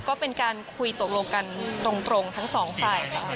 ก็เป็นการคุยตกลงกันตรงทั้งสองฝ่ายนะคะ